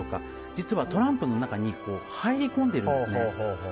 実はトランプの中に入り込んでいるんですね。